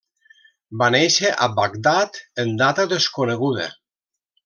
Va néixer a Bagdad en data desconeguda.